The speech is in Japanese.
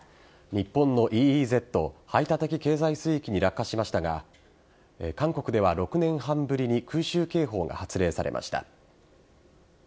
日本のＥＥＺ＝排他的経済水域に落下しましたが韓国では６年半ぶりに空襲警報が発令されました。